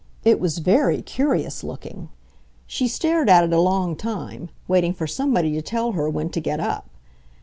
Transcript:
It was very curious looking. She stared at it a long time, waiting for somebody to tell her when to get up.